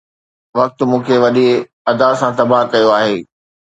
وقت مون کي وڏي ادا سان تباهه ڪيو آهي